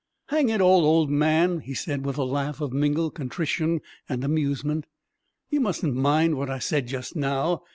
"Hang it all, old man," he said, with a laugh of mingled contrition and amusement, "you mustn't mind what I said just now.